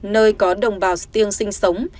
nơi có đồng bào sư tiêng sinh sống